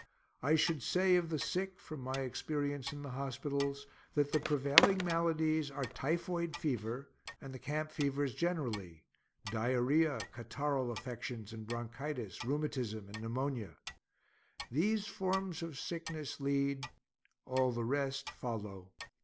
I should say of the sick, from my experience in the hospitals, that the prevailing maladies are typhoid fever and the camp fevers generally, diarrhoea, catarrhal affections and bronchitis, rheumatism and pneumonia. These forms of sickness lead, all the rest follow.